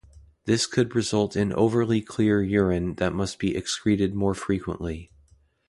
This could result in overly clear urine that must be excreted more frequently.